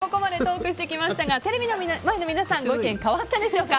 ここまでトークしてきましたがテレビの前の皆さんのご意見変わったでしょうか。